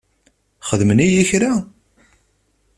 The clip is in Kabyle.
Xedmen-iyi kra?